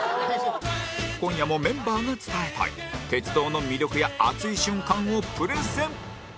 今夜もメンバーが伝えたい鉄道の魅力や熱い瞬間をプレゼン